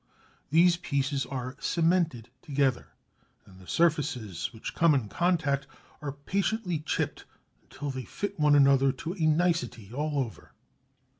These pieces are cemented together, and the surfaces which come into contact are patiently chipped until they fit one another to a nicety all over.